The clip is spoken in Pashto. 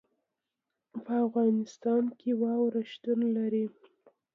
په افغانستان کې واوره شتون لري.